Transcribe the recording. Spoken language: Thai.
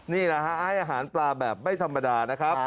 นี่แหละฮะให้อาหารปลาแบบไม่ธรรมดานะครับ